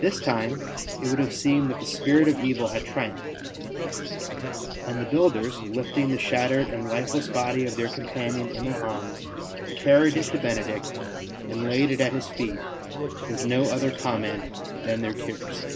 This time it would have seemed that the spirit of evil had triumphed; and the builders, lifting the shattered and lifeless body of their companion in their arms, carried it to Benedict and laid it at his feet with no other comment than their tears.